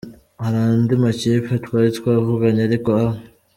Hari andi makipe twari twavuganye ariko A.